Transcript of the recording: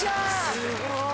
すごい。